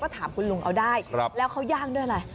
ถามคุณลุงเอาได้แล้วเขาย่างด้วยอะไร